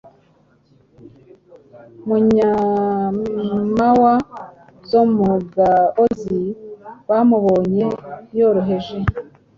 Mu nyamawa zo mu gaozi bamubonye yoroheje,